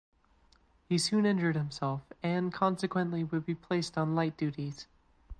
He soon injured himself and consequently would be placed on light duties.